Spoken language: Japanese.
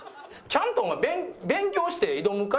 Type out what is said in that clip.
ちゃんと勉強して挑むか？